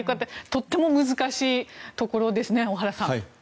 とっても難しいところですね小原さん。